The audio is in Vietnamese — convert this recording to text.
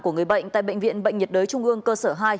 của người bệnh tại bệnh viện bệnh nhiệt đới trung ương cơ sở hai